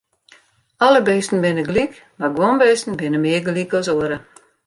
Alle bisten binne gelyk, mar guon bisten binne mear gelyk as oare.